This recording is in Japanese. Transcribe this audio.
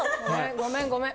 ごめんごめん。